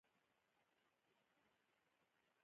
ښځې یې خاوند ته لیهمڅی هوار کړ.